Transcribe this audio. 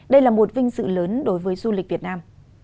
đây là một vinh sự lớn đối với du lịch việt nam